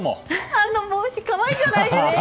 あの帽子可愛いじゃないですか！